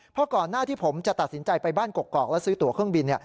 เพราะก่อนหน้าที่ผมจะตัดสินใจไปบ้านกกอกแล้วซื้อตัวเครื่องบิน